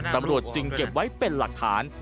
ตำรวจจึงเก็บไว้เป็นหลักฐาน